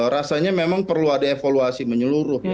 rasanya memang perlu ada evaluasi menyeluruh